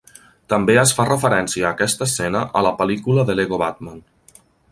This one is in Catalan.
També es fa referència a aquesta escena a la pel·lícula de Lego Batman.